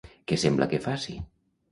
Què sembla que faci?